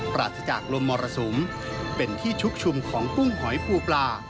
ปราศจากลมมรสุมเป็นที่ชุกชุมของกุ้งหอยปูปลา